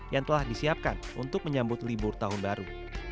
yang telah disiapkan untuk menyambut libur tahun baru